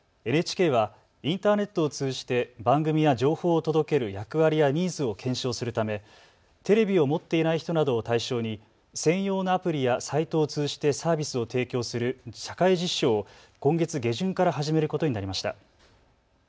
ＮＨＫはインターネットを通じて番組や情報を届ける役割やニーズを検証するためテレビを持っていない人などを対象に専用のアプリやサイトを通じてサービスを提供する社会実証を今月下旬から始めることになりました。